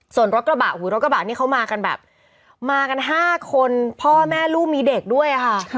ส่วนรถกระบะรถกระบะนี่เขามากันแบบมากัน๕คนพ่อแม่ลูกมีเด็กด้วยค่ะ